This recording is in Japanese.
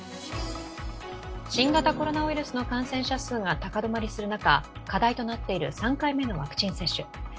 新型コロナウイルスの感染者数が高止まりする中課題となっている３回目のワクチン接種。